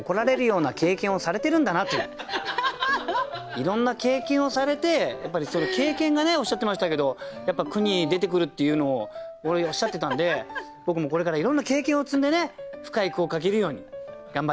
いろんな経験をされてその経験がねおっしゃってましたけどやっぱ句に出てくるっていうのをおっしゃってたんで僕もこれからいろんな経験を積んでね深い句を書けるように頑張っていこうという。